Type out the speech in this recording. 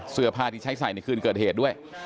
เสื้อผ้าที่ใช้ใส่ในคืนเกิดเหตุด้วย